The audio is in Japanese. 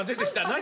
何？